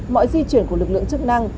mọi di chuyển của lực lượng chức năng